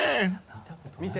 見て。